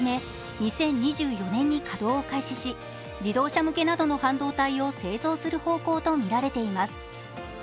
２０２４年に稼働を開始し、自動車向けなどの半導体を製造する方向とみられています。